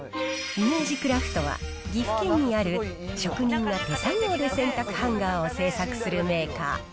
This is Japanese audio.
イメージクラフトは、岐阜県にある、職人が手作業で洗濯ハンガーを製作するメーカー。